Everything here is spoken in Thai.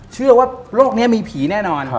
เชื่อว่าโลกนี้มีผีแน่นอน